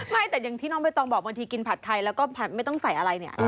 ไม่แต่อย่างที่น้องใบตองบอกบางทีกินผัดไทยแล้วก็ผัดไม่ต้องใส่อะไรเนี่ย